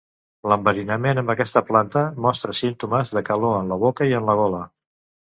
L'enverinament amb aquesta planta mostra símptomes de calor en la boca i en la gola.